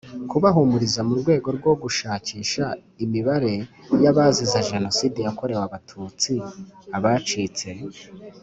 kubahumuriza Mu rwego rwo gushakisha imibare y abazize Jenoside yakorewe Abatutsi abacitse